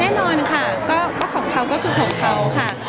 แน่นอนค่ะก็ของเขาก็คือของเขาค่ะ